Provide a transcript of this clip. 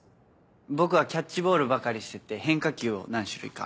僕はキャッチボールばかりしてて変化球を何種類か。